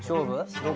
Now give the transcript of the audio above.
どこ？